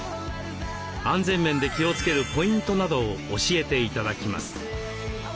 安全面で気をつけるポイントなどを教えて頂きます。